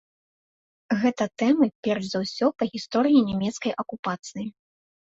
Гэта тэмы, перш за ўсё, па гісторыі нямецкай акупацыі.